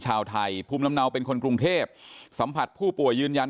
ชาวไทยภูมิลำเนาเป็นคนกรุงเทพสัมผัสผู้ป่วยยืนยัน